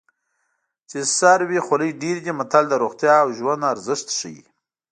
چې سر وي خولۍ ډېرې دي متل د روغتیا او ژوند ارزښت ښيي